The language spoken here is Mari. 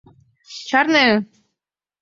Чарне!